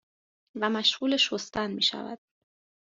و مشغول شستن میشود